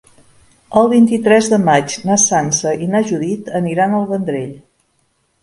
El vint-i-tres de maig na Sança i na Judit aniran al Vendrell.